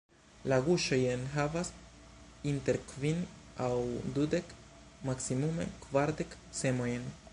La guŝoj enhavas inter kvin kaj dudek, maksimume kvardek semojn.